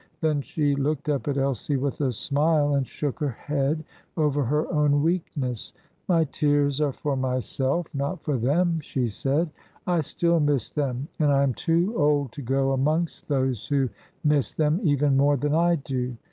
Then she looked up at Elsie with a smile, and shook her head over her own weakness. "My tears are for myself not for them," she said. "I still miss them, and I am too old to go amongst those who miss them even more than I do.